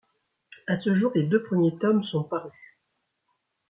À ce jour, les deux premiers tomes sont parus.